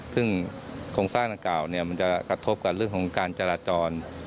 ซึ่งโครงสร้างดังกล่าวมันจะกระทบกับเรื่องของการจราจร